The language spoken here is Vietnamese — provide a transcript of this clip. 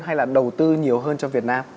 hay là đầu tư nhiều hơn cho việt nam